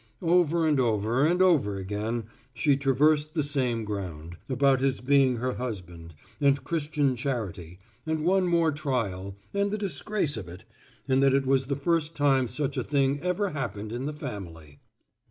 Over and over and over again she traversed the same ground about his being her husband, and Christian charity, and one more trial, and the disgrace of it, and that it was the first time such a thing ever happened in the family.